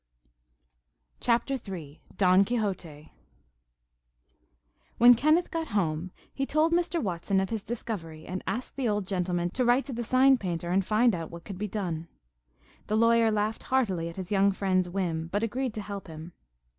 CHAPTER III DON QUIXOTE When Kenneth got home he told Mr. Watson of his discovery and asked the old gentleman to write to the sign painter and find out what could be done. The lawyer laughed heartily at his young friend's whim, but agreed to help him.